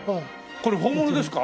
これ本物ですか？